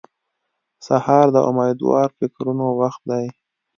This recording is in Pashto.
سهار د امېدوار فکرونو وخت دی.